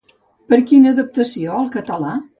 Per quina adaptació al català?